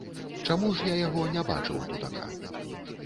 Чаму ж я яго не бачыў тутака?